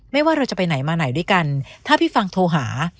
ว่าเราจะไปไหนมาไหนด้วยกันถ้าพี่ฟังโทรหา